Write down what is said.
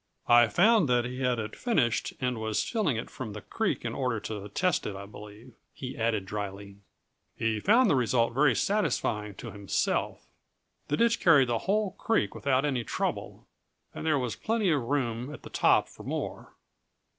I found that he had it finished and was filling it from the creek in order to test it. I believe," he added dryly, "he found the result very satisfying to himself. The ditch carried the whole creek without any trouble, and there was plenty of room at the top for more!"